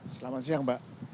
selamat siang mbak